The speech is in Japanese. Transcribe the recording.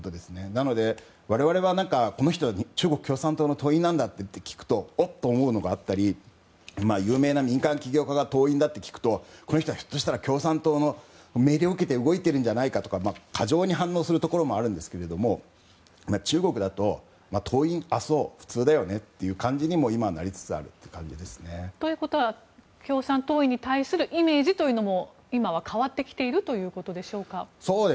なので、我々は何かこの人、中国共産党の党員なんだと聞くとおっと思うのがあったり有名な民間起業家が党員だと聞くとこの人はひょっとしたら共産党の命令を受けて動いているんじゃないかとか過剰に反応するところもありますが中国だと党員、そう、普通だよねと今、なりつつあるという感じですね。ということは共産党員に対するイメージも今は変わってきているということでしょうか？